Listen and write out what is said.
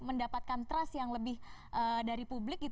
mendapatkan trust yang lebih dari publik